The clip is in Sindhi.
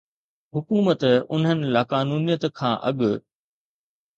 حڪومت انهن لاقانونيت کان اڳ